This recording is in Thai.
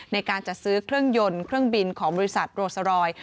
ในการจัดซื้อเครื่องยนต์เครื่องบินของบริษัทโรซารอยด